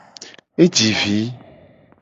E ji vi.